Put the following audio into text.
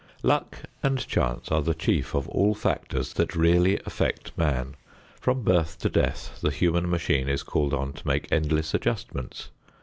Luck and chance are the chief of all factors that really affect man. From birth to death the human machine is called on to make endless adjustments.